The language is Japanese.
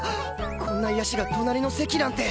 こんな癒やしが隣の席なんて